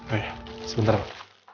oh iya sebentar pak